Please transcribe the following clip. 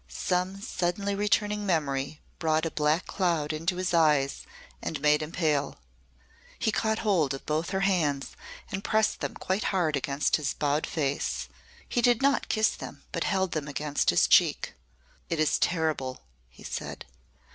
Some suddenly returning memory brought a black cloud into his eyes and made him pale. He caught hold of both her hands and pressed them quite hard against his bowed face. He did not kiss them but held them against his cheek. "It is terrible," he said.